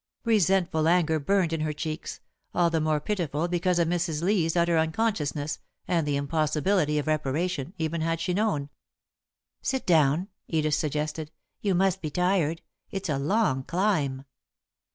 Resentful anger burned in her cheeks, all the more pitiful because of Mrs. Lee's utter unconsciousness, and the impossibility of reparation, even had she known. "Sit down," Edith suggested. "You must be tired. It's a long climb."